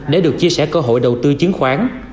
để được chia sẻ cơ hội đầu tư chứng khoán